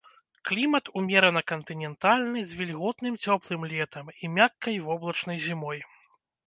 Клімат умерана кантынентальны з вільготным цёплым летам і мяккай воблачнай зімой.